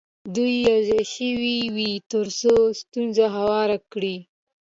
دوی یو ځای شوي وي تر څو ستونزه هواره کړي.